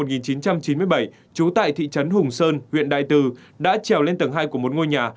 trú tại thị trấn hùng sơn huyện đại từ đã trèo lên tầng hai của một ngôi nhà